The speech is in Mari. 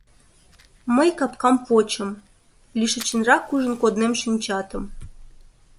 Мый капкам почым — лишычынрак ужын коднем шинчатым.